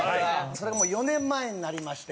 それもう４年前になりまして。